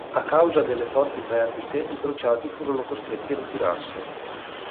A causa delle forti perdite i Crociati furono costretti a ritirarsi.